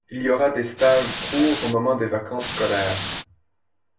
Il y aura des stages courts au moment des vacances scolaires.